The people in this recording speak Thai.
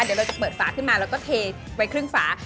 เดี๋ยวเราจะเปิดฝาขึ้นมาแล้วก็เทไว้ครึ่งฝา